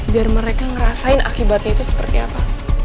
biar mereka ngerasain akibatnya itu seperti apa